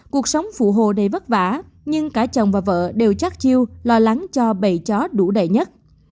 cuộc sống phụ hồ đầy vất vả nhưng cả chồng và vợ đều chắc chiêu lo lắng cho bày chó đủ đầy nhất